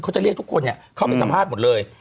จะเรียกทุกคนเข้าไปสัมภาษณ์หมดเลย